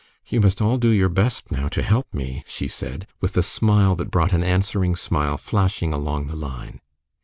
"You must all do your best now, to help me," she said, with a smile that brought an answering smile flashing along the line.